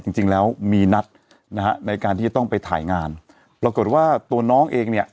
จริงแล้วมีนัดนะฮะในการที่จะต้องไปถ่ายงานปรากฏว่าตัวน้องเองเนี่ย